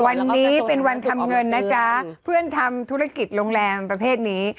วันนี้เป็นวันทำเงินนะจ๊ะเพื่อนทำธุรกิจโรงแรมประเภทนี้